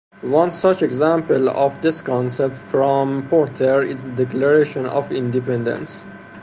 One such example of this concept from Porter is the Declaration of Independence.